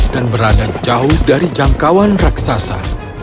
dan berada jauh dari jangkauan raksasa